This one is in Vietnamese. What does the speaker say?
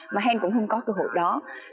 mà hèn cũng không có cơ hội đó